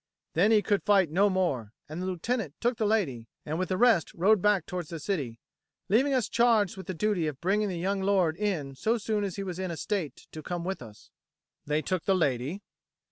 Then he could fight no more; and the lieutenant took the lady, and with the rest rode back towards the city, leaving us charged with the duty of bringing the young lord in so soon as he was in a state to come with us." "They took the lady?"